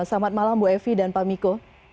selamat malam bu evi dan pak miko